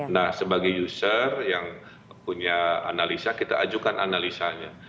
nah sebagai user yang punya analisa kita ajukan analisanya